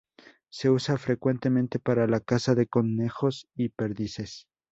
Se usa frecuentemente para la caza de conejos y perdices.